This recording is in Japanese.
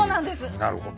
なるほど。